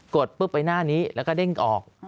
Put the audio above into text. ดปุ๊บไปหน้านี้แล้วก็เด้งออก